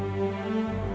aku mau ke rumah